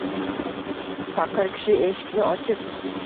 Faqir kishi eshikni ochib